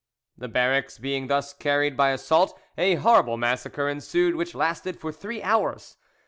The barracks being thus carried by assault, a horrible massacre ensued, which lasted for three hours.